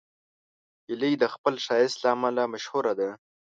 هیلۍ د خپل ښایست له امله مشهوره ده